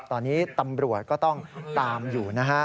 ตอนนี้ตำรวจก็ต้องตามอยู่นะฮะ